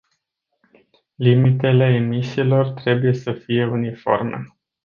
Limitele emisiilor trebuie să fie uniforme.